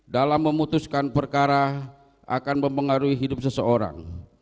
dalam memutuskan perkara akan mempengaruhi hidup seseorang